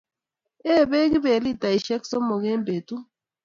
Ee peek Kibet Litaishek somok eng' petut